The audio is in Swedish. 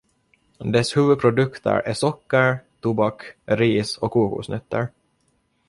Dess huvudprodukter är socker, tobak, ris och kokosnötter.